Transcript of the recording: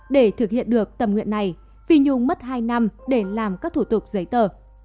để thực hiện được tầm nguyện này phi nhung mất hai năm để làm các thủ tục giấy tờ